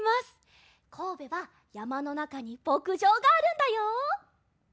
こうべはやまのなかにぼくじょうがあるんだよ！